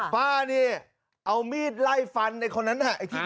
ป้านี่เอามีดไล่ฟันไอ้คนนั้น